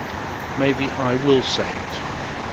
Maybe I will say it.